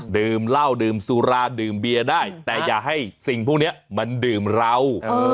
ดื่มเหล้าดื่มสุราดื่มเบียร์ได้แต่อย่าให้สิ่งพวกนี้มันดื่มเรา